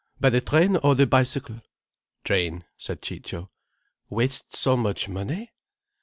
By the train, or the bicycle?" "Train," said Ciccio. "Waste so much money?"